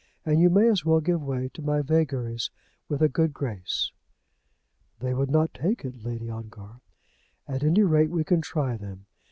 "And you may as well give way to my vagaries with a good grace." "They would not take it, Lady Ongar." "At any rate we can try them.